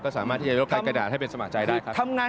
ก็สามารถนี่กลายการกระดาษให้เป็นสมาชินได้ครับ